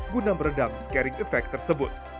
guna meredam scaring effect tersebut